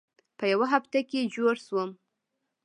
په یوه هفته کې جوړ شوم.